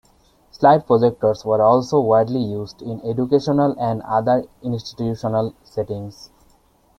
Slide projectors were also widely used in educational and other institutional settings.